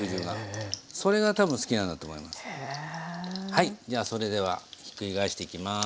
はいそれではひっくり返していきます。